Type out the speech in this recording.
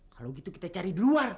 kalau gitu kita cari di luar